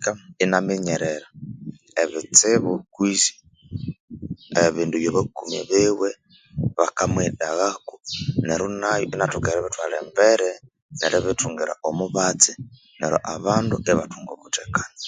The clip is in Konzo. Kyikataka inabinyerera ebitsibu kwisi ebindu ebyabakomi biwe bakamughidaghako neru nayo inathoka eribithwalha embere neribithungira omubatsi neru abandu ibathunga obuthekane